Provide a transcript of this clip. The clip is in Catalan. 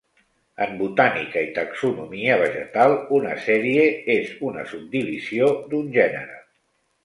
En botànica i taxonomia vegetal, una sèrie és una subdivisió d'un gènere.